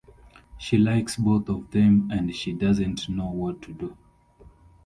She likes both of them and she doesn't know what to do.